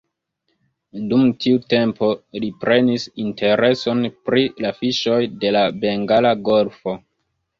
Dum tiu tempo li prenis intereson pri la fiŝoj de la Bengala Golfo.